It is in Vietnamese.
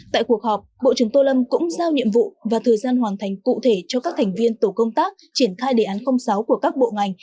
tại cuộc họp bộ trưởng tô lâm cũng giao nhiệm vụ và thời gian hoàn thành cụ thể cho các thành viên tổ công tác triển khai đề án sáu của các bộ ngành